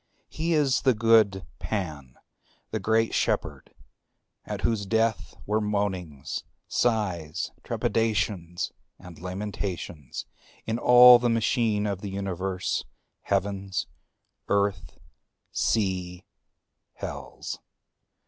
He is the good Pan, the great Shepherd.... at whose death were moanings, sighs, trepidations and lamentations in all the machine of the universe, heavens, earth, sea, hells.